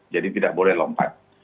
jadi tidak boleh lompat